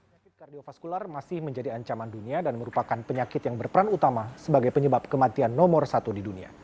penyakit kardiofaskular masih menjadi ancaman dunia dan merupakan penyakit yang berperan utama sebagai penyebab kematian nomor satu di dunia